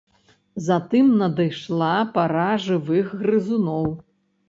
Затым надышла пара жывых грызуноў.